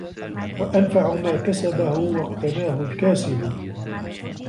وَأَنْفَعُ مَا كَسَبَهُ وَاقْتَنَاهُ الْكَاسِبُ